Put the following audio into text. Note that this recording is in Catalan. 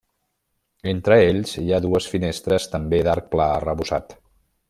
Entre ells hi ha dues finestres també d'arc pla arrebossat.